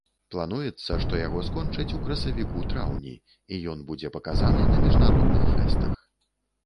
Плануецца, што яго скончаць у красавіку-траўні і ён будзе паказаны на міжнародных фэстах.